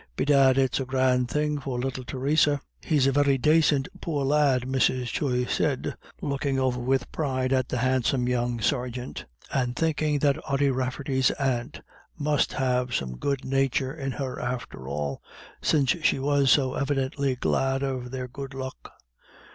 Bedad, it's a grand thing for little Theresa." "He's a very dacint poor lad," Mrs. Joyce said, looking over with pride at the handsome young sergeant, and thinking that Ody Rafferty's aunt must have some good nature in her after all, since she was so evidently glad of their good luck.